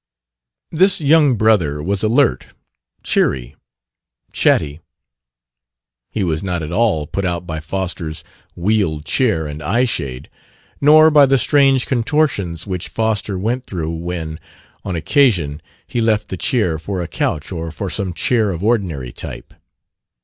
This young brother was alert, cheery, chatty. He was not at all put out by Foster's wheeled chair and eyeshade, nor by the strange contortions which Foster went through when, on occasion, he left the chair for a couch or for some chair of ordinary type.